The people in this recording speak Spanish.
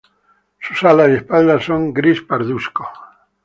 Sus alas y espalda son gris pardusco.